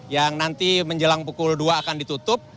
yang nanti menjelang pukul dua akan ditutup